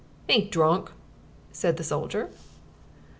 "Ain't drunk!" said the soldier.